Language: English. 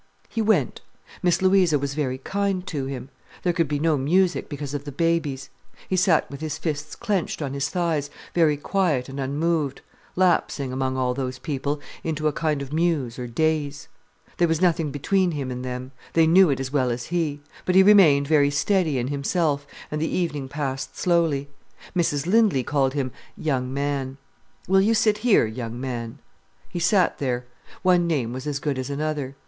He went. Miss Louisa was very kind to him. There could be no music, because of the babies. He sat with his fists clenched on his thighs, very quiet and unmoved, lapsing, among all those people, into a kind of muse or daze. There was nothing between him and them. They knew it as well as he. But he remained very steady in himself, and the evening passed slowly. Mrs Lindley called him "young man". "Will you sit here, young man?" He sat there. One name was as good as another.